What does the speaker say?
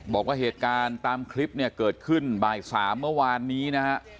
บอกว่าเหตุการณ์ตามคลิปเนี่ยเกิดขึ้นบ่าย๓เมื่อวานนี้นะฮะ